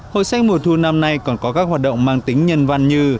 hội sách mùa thu năm nay còn có các hoạt động mang tính nhân văn như